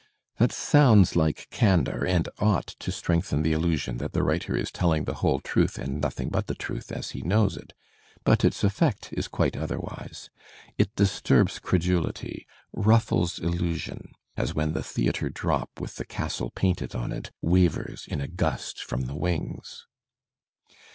That sounds Uke candour and ought to strengthen the illusion that the writer is telling the whole truth and nothing but the truth as he knows it. But its effect is quite otherwise; it disturbs credulity, rufBes illusion, as when the theatre drop with the castle painted on it wavers in a gust from the wings.